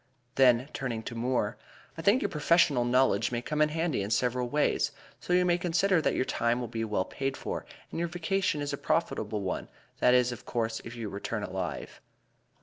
Then, turning to Moore: "I think your professional knowledge may come in handy in several ways, so you may consider that your time will be well paid for, and your vacation a profitable one that is, of course, if you return alive."